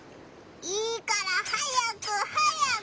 いいから早く早く！